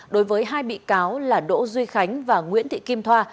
đối với hai bị cáo là đỗ duy khánh và nguyễn thị kim thoa